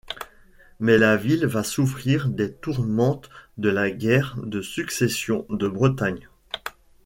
Mais la ville va souffrir des tourmentes de la guerre de Succession de Bretagne.